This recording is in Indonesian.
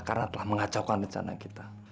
karena telah mengacaukan rencana kita